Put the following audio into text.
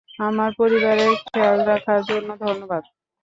আমার পরিবারের খেয়াল রাখার জন্য ধন্যবাদ।